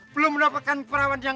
belum mendapatkan perawan di rumah